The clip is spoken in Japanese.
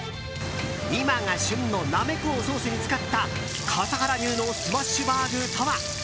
今が旬のナメコをソースに使った笠原流のスマッシュバーグとは？